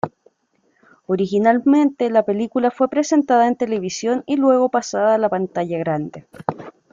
Originalmente la película fue presentada en televisión y luego pasada a la pantalla grande.